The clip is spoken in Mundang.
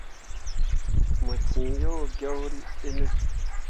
Mo ciŋ yo gyõrîi ɗine.